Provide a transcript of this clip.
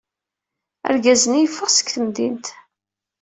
Argaz-nni yeffeɣ seg temdint.